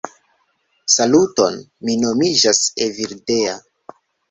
Saluton, mi nomiĝas Evildea